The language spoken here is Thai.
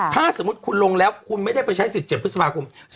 ถ้าสมมติคุณลงแล้วคุณไม่ได้ไปใช้สิทธิ์๗พฤษภาคม